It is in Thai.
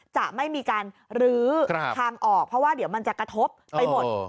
จะไม่มีการลื้อทางออกเพราะว่าเดี๋ยวมันจะกระทบไปหมด